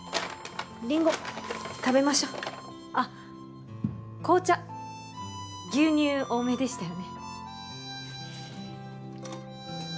リンゴ食べましょあっ紅茶牛乳多めでしたよね